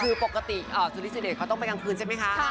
คือปกติสุริซิเดชเขาต้องไปกลางคืนใช่ไหมคะ